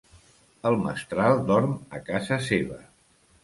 El mestral dorm a casa seva.